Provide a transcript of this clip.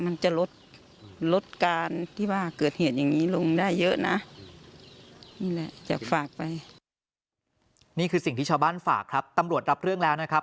นี่คือสิ่งที่ชาวบ้านฝากครับตำรวจรับเรื่องแล้วนะครับ